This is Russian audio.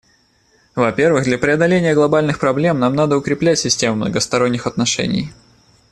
Во-первых, для преодоления глобальных проблем нам надо укреплять систему многосторонних отношений.